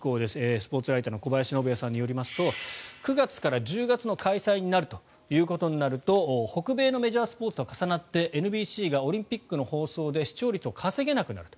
スポーツライターの小林信也さんによりますと９月から１０月の開催ということになると北米のメジャースポーツと重なってＮＢＣがオリンピックの放送で視聴率を稼げなくなると。